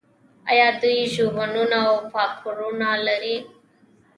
آیا دوی ژوبڼونه او پارکونه نلري؟